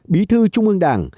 bí thư trung ương đảng